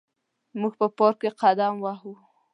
موږ په پارک کې قدم وهو.